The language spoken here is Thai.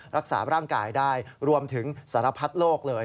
รักษาร่างกายได้รวมถึงสารพัดโลกเลย